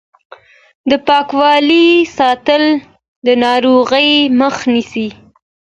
د پاکوالي ساتل د ناروغۍ مخه نیسي.